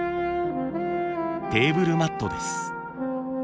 テーブルマットです。